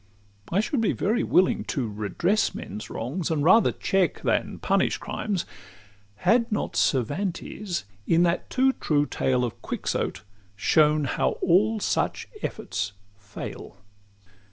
I should be very willing to redress Men's wrongs, and rather check than punish crimes, Had not Cervantes, in that too true tale Of Quixote, shown how all such efforts fail.